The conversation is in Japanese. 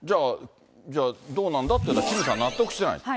じゃあ、どうなんだっていうのは、キムさん、納得してない。